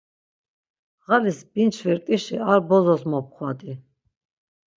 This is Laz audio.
Ğalis binçvirt̆işi ar bozos mopxvadi.